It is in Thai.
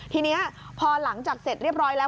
ทีนี้พอหลังจากเสร็จเรียบร้อยแล้ว